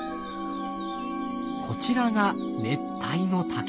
こちらが熱帯の竹。